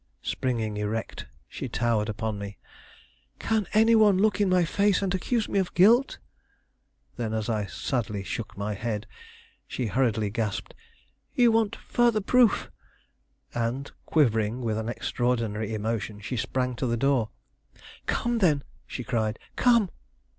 Springing erect, she towered upon me. "Can any one look in my face and accuse me of guilt?" Then, as I sadly shook my head, she hurriedly gasped: "You want further proof!" and, quivering with an extraordinary emotion, she sprang to the door. "Come, then," she cried, "come!"